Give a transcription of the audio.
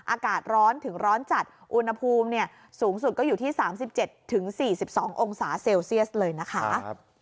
อากาศร้อนถึงร้อนจัดอุณหภูมิสูงสุดก็อยู่ที่๓๗๔๒องศาเซลเซียสเลยนะคะ